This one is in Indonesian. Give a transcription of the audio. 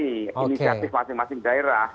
inisiatif masing masing daerah